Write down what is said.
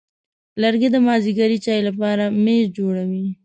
لرګی د مازېګر چای لپاره میز جوړوي.